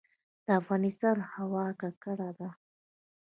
د افغانستان هوا ککړه ده